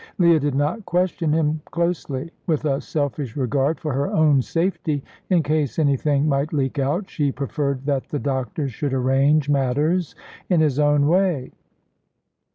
Leah did not question him closely. With a selfish regard for her own safety, in case anything might leak out, she preferred that the doctor should arrange matters in his own way.